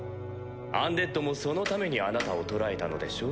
不死もそのためにあなたを捕らえたのでしょ？